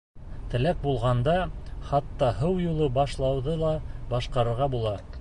Теләк булғанда, хатта һыу юлы баш-лауҙы ла башҡарырға була.